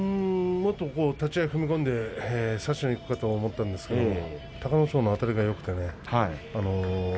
もっと立ち合い踏み込んで差しにいくと思ったんですけれども、隆の勝のあたりがよくてね。